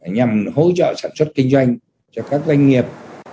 nhằm hỗ trợ sản xuất kinh doanh cho các doanh nghiệp